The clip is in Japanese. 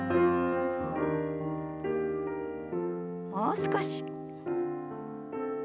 もう少し。